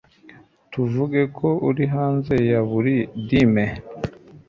tuvuge ko uri hanze ya buri dime